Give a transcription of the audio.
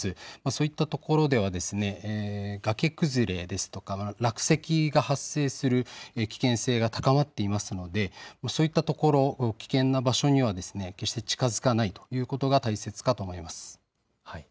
そういったところでは崖崩れですとか落石が発生する危険性が高まっていますのでそういったところ、危険な場所には決して近づかないということが大切かと思います。